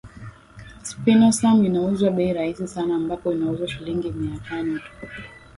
Spinosam inauzwa bei rahisi sana ambapo inauzwa shilingi mia tano tu